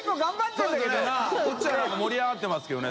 こっちは何か盛り上がってますけどね。